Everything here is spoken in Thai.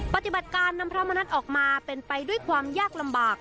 ปฏิบัติการนำพระมณัฐออกมาเป็นไปด้วยความยากลำบาก